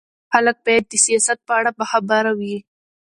خلک باید د سیاست په اړه باخبره وي